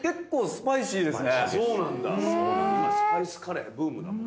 スパイスカレーブームだもん。